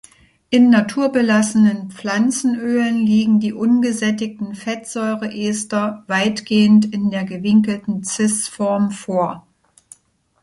In naturbelassenen Pflanzenölen liegen die ungesättigten Fettsäureester weitgehend in der gewinkelten "cis"-Form vor.